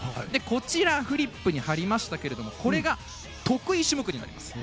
こちらフリップに貼りましたがこれが得意種目になります。